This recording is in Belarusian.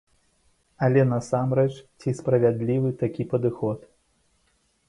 Але, насамрэч, ці справядлівы такі падыход?